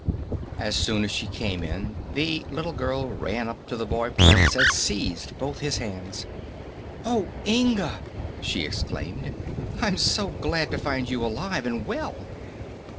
As soon as she came in the little girl ran up to the boy Prince and seized both his hands. "Oh, Inga!" she exclaimed, "I'm so glad to find you alive and well."